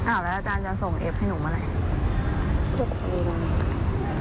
อ้าวแล้วอาจารย์จะส่งเอฟให้หนูมาเลย